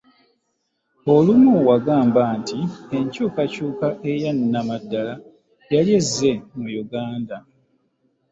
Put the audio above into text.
Olumu wagamba nti, enkyukakyuka eyannamaddala yali ezze mu Uganda.